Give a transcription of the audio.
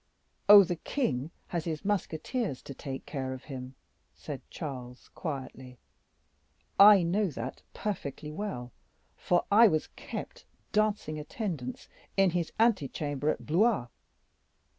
"Oh, the king has his musketeers to take care of him," said Charles, quietly; "I know that perfectly well, for I was kept dancing attendance in his ante chamber at Blois.